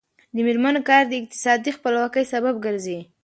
د میرمنو کار د اقتصادي خپلواکۍ سبب ګرځي.